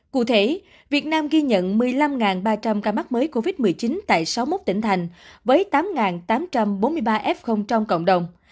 cụ thể việt nam ghi nhận một mươi năm ba trăm linh ca mắc mới covid một mươi chín tại sáu mươi một tỉnh thành với tám tám trăm bốn mươi ba f trong cộng đồng